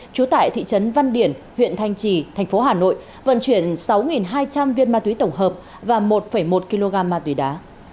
trú tại thị trấn văn điển huyện thanh trì thành phố hà nội vận chuyển sáu hai trăm linh viên ma túy tổng hợp và một một kg ma túy đá